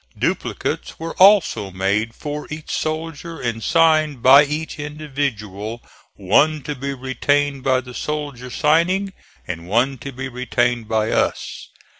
Duplicates were also made for each soldier and signed by each individually, one to be retained by the soldier signing and one to be retained by us.